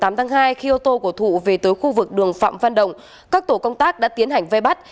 vào khoảng một mươi chín h ngày tám tháng hai khi ô tô của thụ về tới khu vực đường phạm văn đồng các tổ công tác đã tiến hành vây bắt